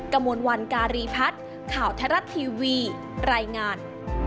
กระมวลวันการีพัฒน์ข่าวไทยรัฐทีวีรายงาน